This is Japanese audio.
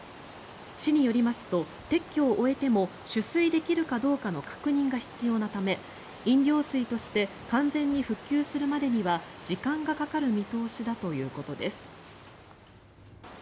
市によりますと撤去を終えても取水できるかどうかの確認が必要なため飲料水として完全に復旧するまでには時間がかかる見通しだということです。